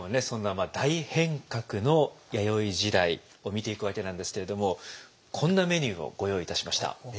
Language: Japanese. そんな大変革の弥生時代を見ていくわけなんですけれどもこんなメニューをご用意いたしました。